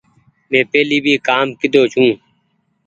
من پهلي ڀي ڪآم ڪيۮو ڇو۔